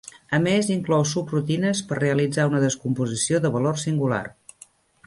A més inclou subrutines per realitzar una descomposició de valor singular.